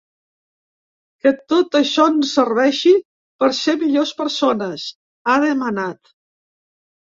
Que tot això ens serveixi per ser millors persones, ha demanat.